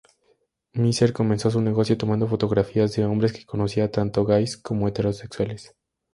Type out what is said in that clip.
Mizer comenzó su negocio tomando fotografías de hombres que conocía, tanto gais como heterosexuales.